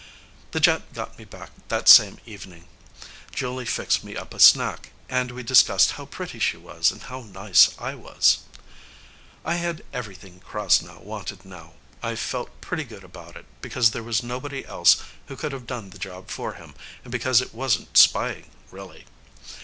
The jet got me back that same evening. Julie fixed me up a snack, and we discussed how pretty she was and how nice I was. I had everything Krasnow wanted now. I felt pretty good about it, because there was nobody else who could have done the job for him, and because it wasn't spying, really.